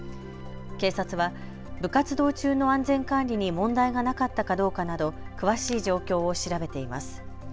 警察は部活動中の安全管理に問題がなかったかどうかなど詳しい状況を調べています。